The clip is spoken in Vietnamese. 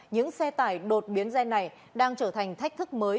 những xe tải đột biến gen này đang trở thành thách thức mới